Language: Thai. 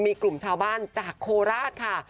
มีกลุ่มชาวบ้านจากโคราชค่ะ